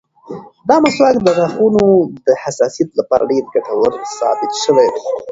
دا مسواک د غاښونو د حساسیت لپاره ډېر ګټور ثابت شوی دی.